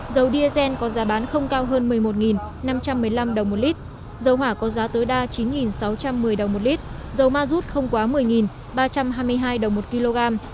dầu diesel có giá bán không cao hơn một mươi một năm trăm một mươi năm đồng một lít dầu hỏa có giá tối đa chín sáu trăm một mươi đồng một lít dầu ma rút không quá một mươi ba trăm hai mươi hai đồng một kg